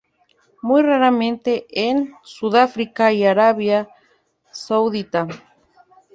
Muy raramente en Sudáfrica y Arabia Saudita.